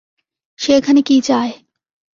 সে এখানে কি চায়?